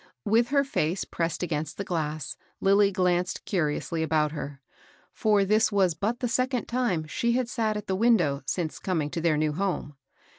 With her face pressed against the glass, Lilly glanced curiously about her; for this was but the second time she had sat at the window since coming to their new home.